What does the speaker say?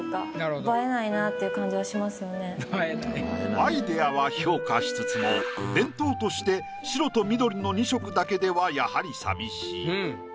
アイディアは評価しつつも弁当として白と緑の２色だけではやはり寂しい。